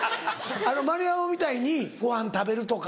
丸山みたいにごはん食べるとか。